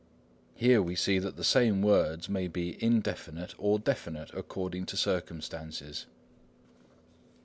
Here we see that the same words may be indefinite or definite according to circumstances.